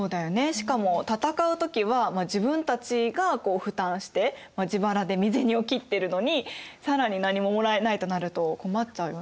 しかも戦う時は自分たちがこう負担して自腹で身銭を切ってるのに更に何ももらえないとなると困っちゃうよね。